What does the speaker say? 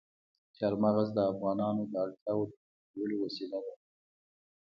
چار مغز د افغانانو د اړتیاوو د پوره کولو وسیله ده.